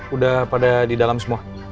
udah pada di dalam semua